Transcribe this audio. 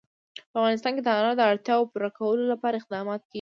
په افغانستان کې د انار د اړتیاوو پوره کولو لپاره اقدامات کېږي.